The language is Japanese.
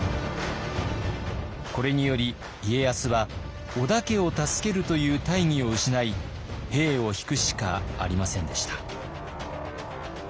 これにより家康は織田家を助けるという大義を失い兵を引くしかありませんでした。